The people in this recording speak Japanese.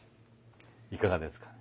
いかがですか。